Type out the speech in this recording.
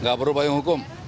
nggak perlu payung hukum